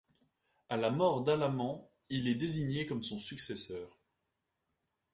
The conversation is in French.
À la mort d'Alamand, il est désigné comme son successeur.